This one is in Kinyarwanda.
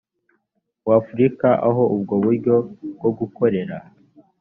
w afurika aho ubwo buryo bwo gukorera